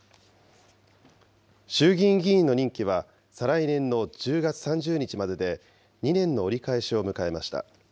衆議院議員の任期は再来年の１０月３０日までで、２年の折り返しを迎えました。